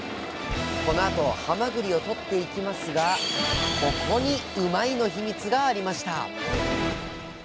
このあとはまぐりをとっていきますがここにうまいッ！のヒミツがありました。